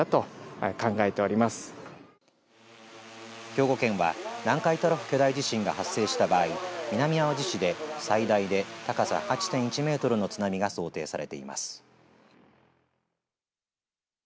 兵庫県は、南海トラフ巨大地震が発生した場合南あわじ市で最大で高さ８．１メートルの津波が想定されています。